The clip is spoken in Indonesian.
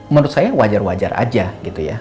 menurut saya wajar wajar aja gitu ya